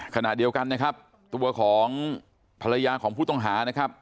ขณะเดียวกันนะครับตัวของภรรยาของผู้ต้องหานะครับ